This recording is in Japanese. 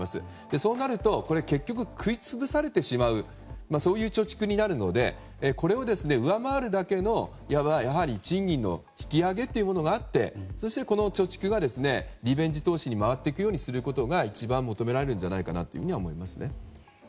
そうなると結局食いつぶされてしまうそういう貯蓄になるのでこれを上回るだけのいわば賃金の引き上げがあってそしてこの貯蓄がリベンジ投資に回っていくことが一番求められるんじゃないかなと思いますね。